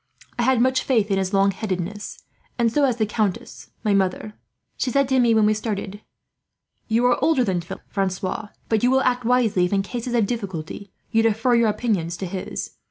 I had much faith in his long headedness; and so has the countess, my mother. She said to me, when we started: "'You are older than Philip, Francois; but you will act wisely if, in cases of difficulty, you defer your opinions to his.